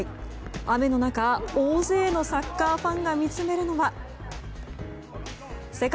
雨の中、大勢のサッカーファンが見つめるのは世界